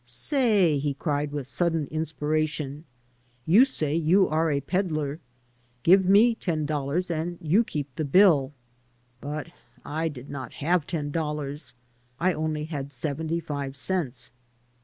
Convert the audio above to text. "Say," he cried with a sudden mspiration, "you say you are a peddler. Give me ten dollars and you keep the bill.'* But I did not have ten dollars. I only had seventy five cents.